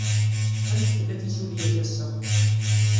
Amek tella tissulya-k ass-a?